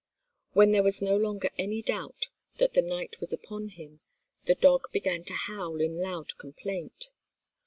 When there was no longer any doubt that the night was upon him, the dog began to howl in loud complaint.